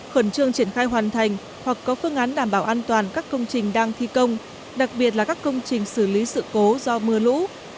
khẩn trương triển khai hoàn thành hoặc có phương án đảm bảo an toàn các công trình đang thi công đặc biệt là các công trình xử lý sự cố do mưa lũ